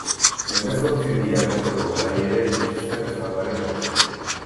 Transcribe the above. Hemezortzi mila metroko garaierara iritsi zen eztandaren hautsa.